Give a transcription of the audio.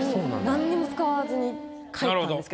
何にも使わずに描いたんですけど。